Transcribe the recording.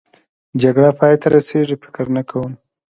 جګړه پای ته رسېږي؟ فکر نه کوم.